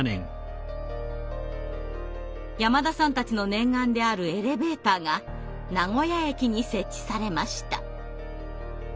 山田さんたちの念願であるエレベーターが名古屋駅に設置されました。